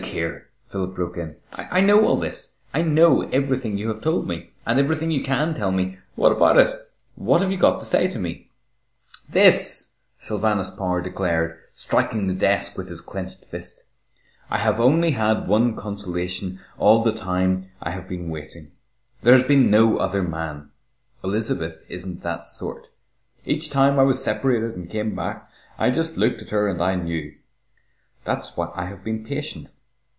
"Look here," Philip broke in, "I know all this. I know everything you have told me, and everything you can tell me. What about it? What have you got to say to me?" "This," Sylvanus Power declared, striking the desk with his clenched fist. "I have only had one consolation all the time I have been waiting there has been no other man. Elizabeth isn't that sort. Each time I was separated and came back, I just looked at her and I knew. That's why I have been patient.